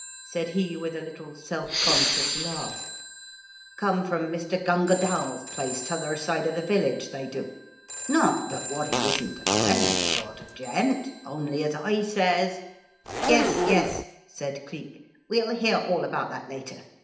said he with a little self conscious laugh. " Come from Mr. Gunga DaJTs place 'tother side of the village, they do. Not but what he isn't a pleas ant sort of gent, only as I says " "Yes, yes," said Cleek, "we'll hear all about that later.